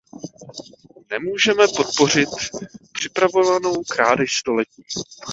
Nemůžeme podpořit připravovanou krádež století!